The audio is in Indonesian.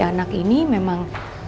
anak ini memang